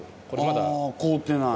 ああ凍ってない。